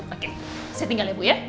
oke saya tinggal ya bu ya